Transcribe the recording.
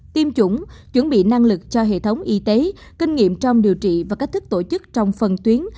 tiêm chủng chuẩn bị năng lực cho hệ thống y tế kinh nghiệm trong điều trị và cách thức tổ chức trong phần tuyến